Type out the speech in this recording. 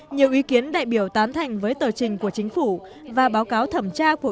nhiều ý kiến đại biểu tán thành với tờ trình của chính phủ và báo cáo thẩm tra của